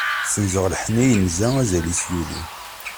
Senzeɣ lḥenni yenza, azal-is yuli.